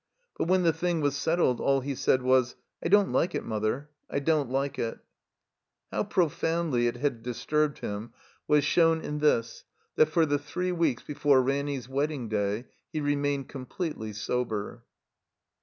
But when the thing was set tled, all he said was, ''I don't like it. Mother, I don't like it." How profoundly it had disturbed him was shown 121 THE COMBINED MAZE in this, that for the three weeks before Ranny's wedding day he remained completely sober.